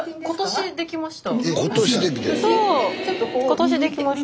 今年できました。